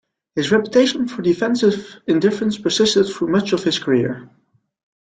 His reputation for defensive indifference persisted through much of his career.